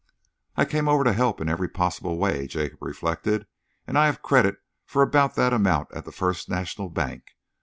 "I came over to help in every possible way," Jacob reflected, "and I have credit for about that amount at the First National Bank.